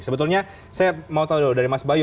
sebetulnya saya mau tahu dulu dari mas bayu